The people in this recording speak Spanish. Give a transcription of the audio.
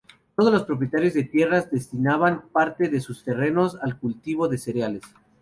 Todos los propietarios de tierras destinaban parte de sus terrenos al cultivo de cereales.